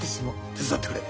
手伝ってくれ。